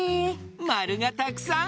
まるがたくさん！